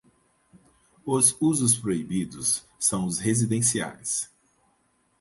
Os usos proibidos são os residenciais.